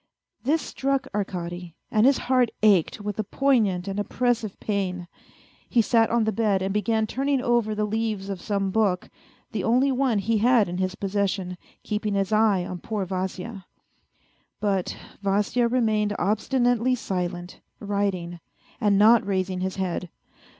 This struck Arkady, and his heart ached with a poignant and oppressive pain. He sat on the bed and began turning over the leaves of some book, the only one he had in his possession, keeping his eye on poor Vasya. But Vasya remained obstinately silent, writing, and not raising his head.